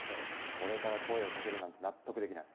俺から声を掛けるなんて納得できない。